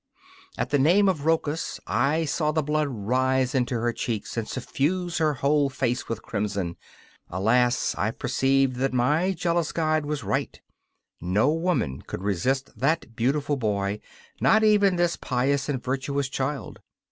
At the name of Rochus I saw the blood rise into her cheeks and suffuse her whole face with crimson. Alas, I perceived that my jealous guide was right: no woman could resist that beautiful boy, not even this pious and virtuous child.